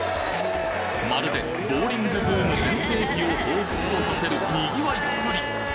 まるでボウリングブーム全盛期を彷彿とさせる賑わいっぷり！